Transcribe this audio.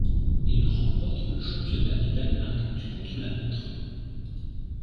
Il remporte le championnat du Danemark du contre-la-montre.